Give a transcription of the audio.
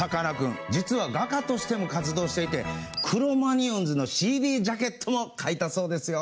実は画家としても活動していてクロマニヨンズのＣＤジャケットも描いたそうですよ。